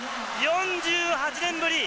４８年ぶり！